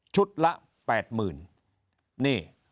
ชุดละ๘๐๐๐๐บาทนี่